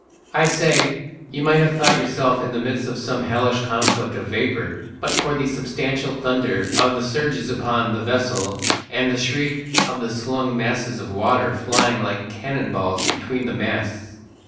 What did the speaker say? I say, you might have thought yourself in the midst of some hellish conflict of vapour but for the substantial thunder of the surges upon the vessel and the shriek of the slung masses of water flying like cannon balls between the masts.